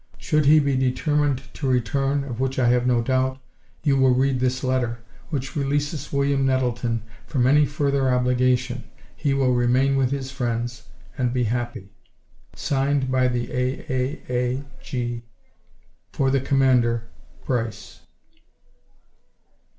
Should he be determined to return, of which I have no doubt, you will read this letter, which releases William Nettleton from any further obligation. He will remain with his friends, and be happy. "Signed by the A. A. A. G. "For the Commander, PRICE."